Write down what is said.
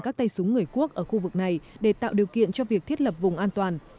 các tay súng người quốc ở khu vực này để tạo điều kiện cho việc thiết lập vùng an toàn